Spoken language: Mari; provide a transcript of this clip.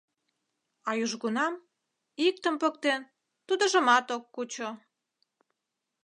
А южгунам, иктым поктен, тудыжымат ок кучо...